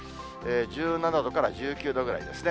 １７度から１９度ぐらいですね。